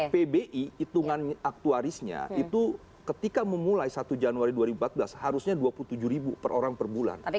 pbi hitungan aktuarisnya itu ketika memulai satu januari dua ribu empat belas harusnya dua puluh tujuh ribu per orang per bulan